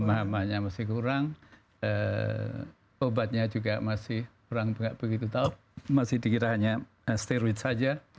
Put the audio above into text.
pemahamannya masih kurang obatnya juga masih kurang begitu tahu masih dikira hanya steroid saja